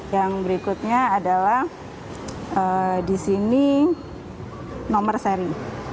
yang berikutnya adalah di sini nomor seri